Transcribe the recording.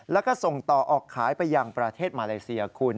แล้วก็ส่งต่อออกขายไปยังประเทศมาเลเซียคุณ